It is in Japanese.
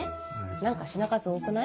何か品数多くない？